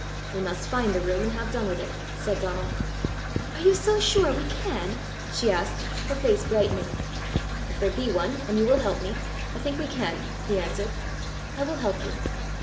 "We must find the room, and have done with it!" said Donal. "Are you so sure we can?" she asked, her face brightening. "If there be one, and you will help me, I think we can," he answered. "I will help you."